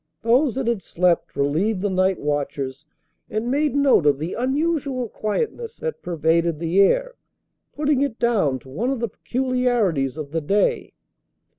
Those that had slept relieved the night watchers and made note of the unusual quietness that pervaded the air, putting it down to one of the peculiarities of the day.